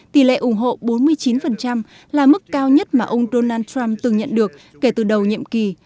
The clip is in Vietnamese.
tỷ lệ ủng hộ bốn mươi chín là mức cao nhất mà ông donald trump từng nhận được kể từ đầu nhiệm kỳ